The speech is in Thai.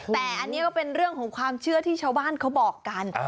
แต่อันนี้ก็เป็นเรื่องของความเชื่อที่ชาวบ้านเขาบอกกัน